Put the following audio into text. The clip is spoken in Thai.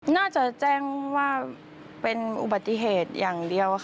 น่าจะแจ้งว่าเป็นอุบัติเหตุอย่างเดียวค่ะ